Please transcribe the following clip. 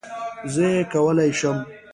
زه یې کولای شم